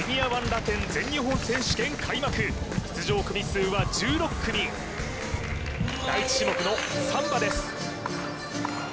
Ⅰラテン全日本選手権開幕出場組数は１６組第１種目のサンバです